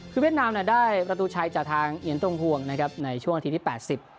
คือเวียดนามได้ประตูใช้จากทางเหยียนตรงห่วงในช่วงอาทิตย์ที่๘๐